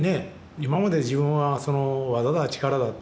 今まで自分は技だ力だって。